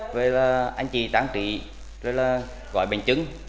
với anh chị tán trị rồi là gọi bệnh chứng